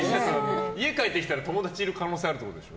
家帰ってきたら友達いる可能性あるってことでしょ。